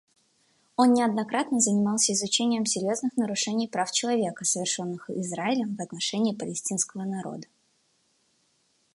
Он неоднократно занимался изучением серьезных нарушений прав человека, совершенных Израилем в отношении палестинского народа.